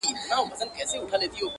جاله وان ورباندي ږغ کړل ملاجانه.!